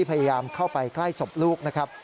พยายามเข้าไปใกล้ศพลูกนะครับ